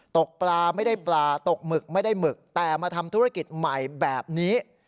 ตกปลาไม่ได้ปลาตกหมึกไม่ได้หมึกแต่มาทำธุรกิจใหม่แบบนี้